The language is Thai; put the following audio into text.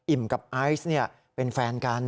อิ่มตอบไอซเป็นแฟนกัน